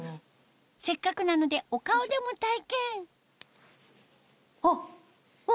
せっかくなのでお顔でも体験あっうわ！